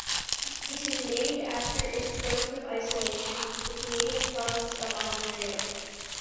It is named after its point of isolation, the Canadian province of Ontario.